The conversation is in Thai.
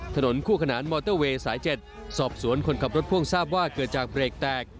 ถนนคู่ขนานมอเตอร์เวย์สาย๗สอบสวนคนขับรถพ่วงทราบว่าเกิดจากเบรกแตก